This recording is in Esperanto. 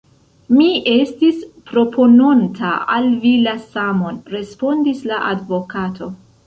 Mi estis propononta al vi la samon, respondis la advokato.